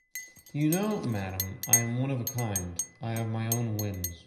You know, madam, I am one of a kind, I have my own whims.